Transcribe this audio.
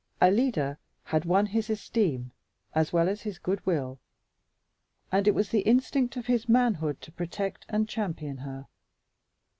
Alida had won his esteem as well as his good will, and it was the instinct of his manhood to protect and champion her.